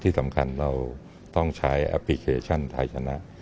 ที่สำคัญเราต้องใช้แอปพลิเคชันไทยชนะ